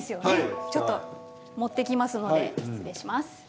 ちょっと持ってきますので失礼します。